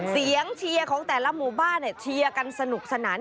เสียงเซียของแต่ละหมู่บ้านเนี่ยเซียกันสนุกสนาน